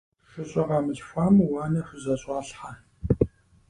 ШыщӀэ къамылъхуам уанэ хузэщӀалъхьэ.